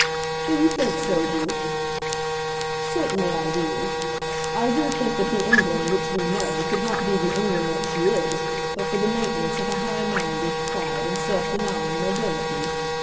"Do you think so, Duke?" "Certainly I do. I do think that the England which we know could not be the England that she is but for the maintenance of a high minded, proud, and self denying nobility.